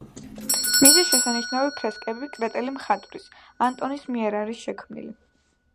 მისი შესანიშნავი ფრესკები კრეტელი მხატვრის, ანტონის მიერ არის შექმნილი.